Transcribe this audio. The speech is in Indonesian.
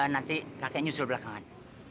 nanti kakek nyusul belakangan